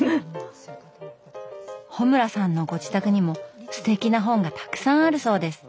穂村さんのご自宅にもすてきな本がたくさんあるそうです。